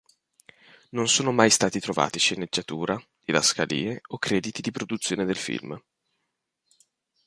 Non sono mai stati trovati sceneggiatura, didascalie o crediti di produzione del film.